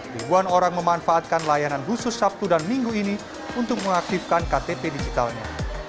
ribuan orang memanfaatkan layanan khusus sabtu dan minggu ini untuk mengaktifkan ktp digitalnya